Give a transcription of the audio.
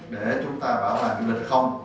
để chúng ta bảo hài du lịch không